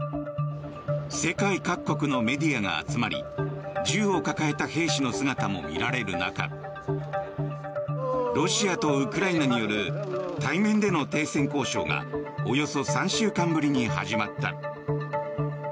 世界各国のメディアが集まり銃を抱えた兵士の姿も見られる中ロシアとウクライナによる対面での停戦交渉がおよそ３週間ぶりに始まった。